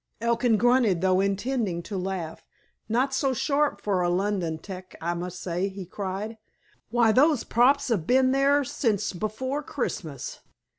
Elkin grunted, though intending to laugh. "Not so sharp for a London 'tec, I must say," he cried. "Why, those props have been there since before Christmas."